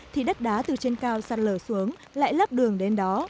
thì đất đá từ trên cao sạt lở xuống lại lấp đường đến đó